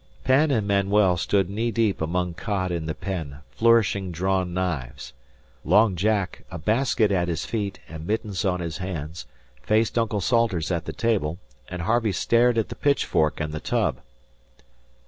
Penn and Manuel stood knee deep among cod in the pen, flourishing drawn knives. Long Jack, a basket at his feet and mittens on his hands, faced Uncle Salters at the table, and Harvey stared at the pitchfork and the tub.